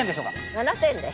７点です。